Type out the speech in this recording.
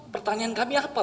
pertanyaan kami apa berarti